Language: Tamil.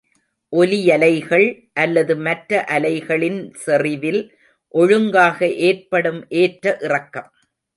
ஒலியலைகள் அல்லது மற்ற அலைகளின் செறிவில் ஒழுங்காக ஏற்படும் ஏற்ற இறக்கம்.